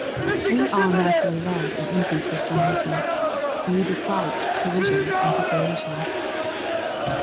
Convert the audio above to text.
We all naturally love an easy Christ ianity. We dislike collisions and separation.